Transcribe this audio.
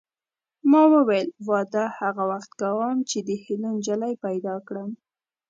ما ویل واده هغه وخت کوم چې د هیلو نجلۍ پیدا کړم